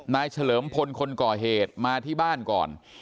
เฉลิมพลคนก่อเหตุมาที่บ้านก่อน